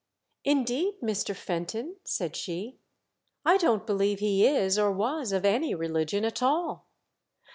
" Indeed, Mr. Fenton," said she, " I don't believe he is or was of any religion at all.